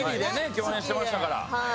共演してましたから。